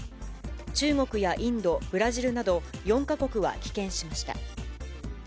中国やインド、ブラジルなど、４か国は棄権しました。